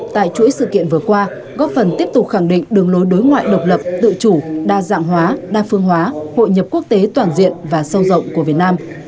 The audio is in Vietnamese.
tại chuỗi sự kiện vừa qua góp phần tiếp tục khẳng định đường lối đối ngoại độc lập tự chủ đa dạng hóa đa phương hóa hội nhập quốc tế toàn diện và sâu rộng của việt nam